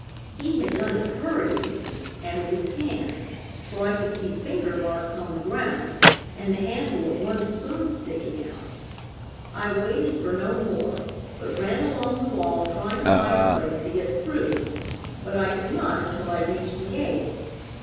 He had done it hurriedly and with his hands, for I could see finger marks on the ground and the handle of one spoon sticking out. I waited for no more, but ran along the wall trying to find a place to get through, but I could not until I reached the gate.